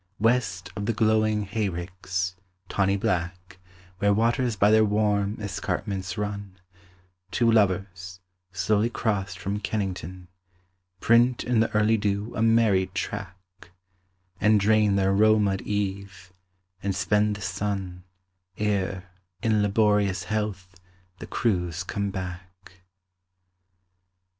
West of the glowing hay ricks, (tawny black, Where waters by their warm escarpments run), Two lovers, slowly crossed from Kennington, Print in the early dew a married track, And drain the aroma'd eve, and spend the sun, Ere, in laborious health, the crews come back.